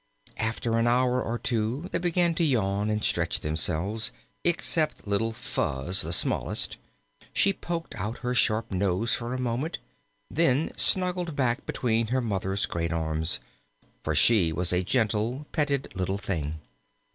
After an hour or two they began to yawn and stretch themselves, except little Fuzz, the smallest; she poked out her sharp nose for a moment, then snuggled back between her Mother's great arms, for she was a gentle, petted little thing.